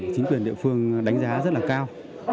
chính quyền địa phương đánh giá rất là cao